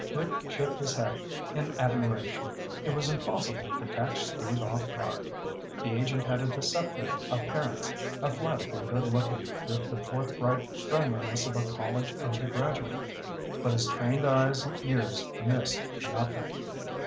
Rick shook his head in admiration. It was impossible to catch Steve off guard. The agent had a deceptive appearance, athletic and good looking, with the forthright friendliness of a college undergraduate. But his trained eyes and ears missed nothing.